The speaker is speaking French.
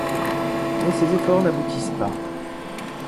Mais ses efforts n'aboutissent pas...